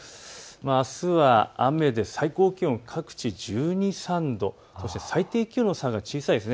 あすは雨で最高気温各地１２、１３度、そして最低気温との差が小さいです。